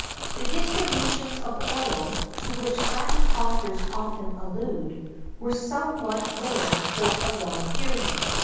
[XII 34] The distributions of oil, to which Latin authors often allude, were somewhat rare for a long period.